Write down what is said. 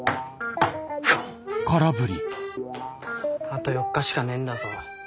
あと４日しかねえんだぞ。